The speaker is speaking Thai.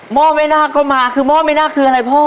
ห้อแม่นาคก็มาคือหม้อแม่นาคคืออะไรพ่อ